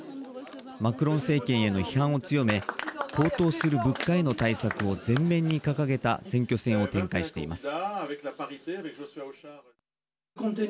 マクロン政権への批判を強め高騰する物価への対策を全面に掲げた選挙戦を展開しています。